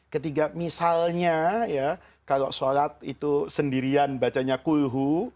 ketiga misalnya ya kalau sholat itu sendirian bacanya kulhu